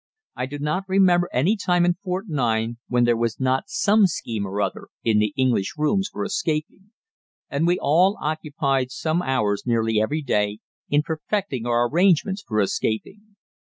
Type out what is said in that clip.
I do not remember any time in Fort 9 when there was not some scheme or other in the English rooms for escaping, and we all occupied some hours nearly every day in perfecting our arrangements for escaping.